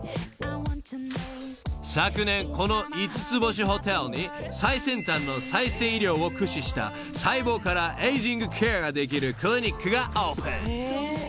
［昨年この五つ星ホテルに最先端の再生医療を駆使した細胞からエイジングケアできるクリニックがオープン］